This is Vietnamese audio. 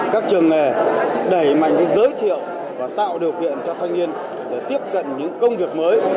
các trường nghề đẩy mạnh giới thiệu và tạo điều kiện cho thanh niên để tiếp cận những công việc mới